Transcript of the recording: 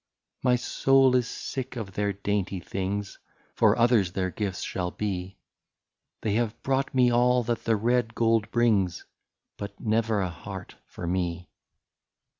" My soul is sick of their dainty things — For others their gifts shall be — They have brought me all that the red gold brings. But never a heart for me.